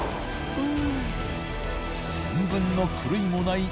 うん。